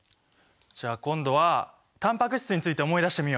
じゃあ今度はタンパク質について思い出してみよう！